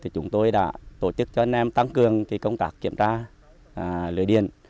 chúng tôi đã tổ chức cho anh em tăng cường công tác kiểm tra lưới điện